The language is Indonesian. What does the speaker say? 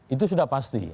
itu sudah pasti